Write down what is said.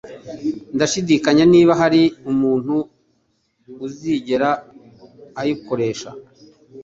ndashidikanya niba hari umuntu uzigera ayikoresha.